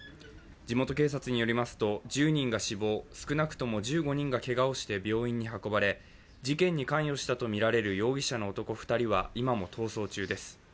地元警察によりますと１０人が死亡、少なくとも１５人がけがをして病院に運ばれ事件に関与したとみられる容疑者の男２人は今も逃走中です。